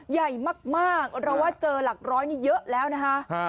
ใหญ่มากเราว่าเจอหลักร้อยนี่เยอะแล้วนะคะ